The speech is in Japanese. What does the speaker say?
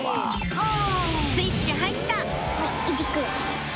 スイッチ入った！